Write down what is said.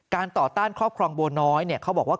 ต่อต้านครอบครองบัวน้อยเขาบอกว่า